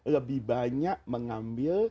lebih banyak mengambil